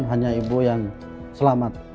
hanya ibu yang selamat